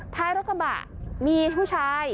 ท้ายรถกระบะมีผู้ชาย